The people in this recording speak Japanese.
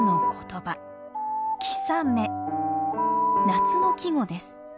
夏の季語です。